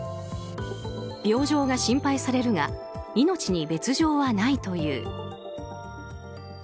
病状が心配されるが命に別条はないという。